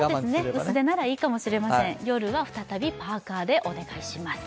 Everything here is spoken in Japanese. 薄手ならいいかもしれません、夜は再びパーカーでお願いします。